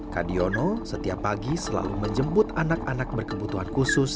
kadiono setiap pagi selalu menjemput anak anak berkebutuhan khusus